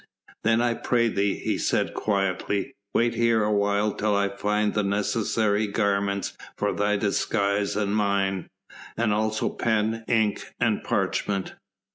"Then I pray thee," he said quietly, "wait here a while till I find the necessary garments for thy disguise and mine, and also pen, ink and parchment."